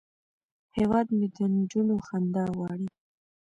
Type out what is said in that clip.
هیواد مې د نجونو خندا غواړي